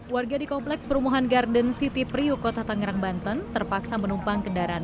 warga di kompleks perumahan garden city priuk kota tangerang banten terpaksa menumpang kendaraan